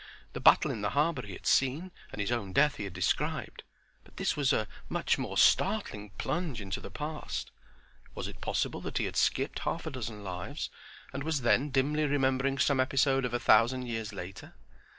The battle in the harbor he had seen; and his own death he had described. But this was a much more startling plunge into the past. Was it possible that he had skipped half a dozen lives and was then dimly remembering some episode of a thousand years later?